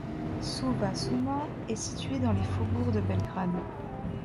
Suva Šuma est située dans les faubourgs de Belgrade.